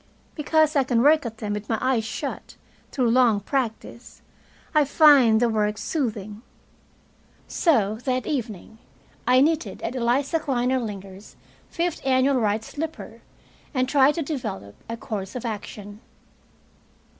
Because I can work at them with my eyes shut, through long practise, I find the work soothing. So that evening I knitted at Eliza Klinordlinger's fifth annual right slipper, and tried to develop a course of action.